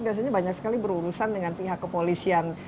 biasanya banyak sekali berurusan dengan pihak kepolisian